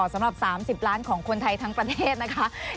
สำหรับ๓๐ล้านของคนไทยทั้งประเทศนะคะ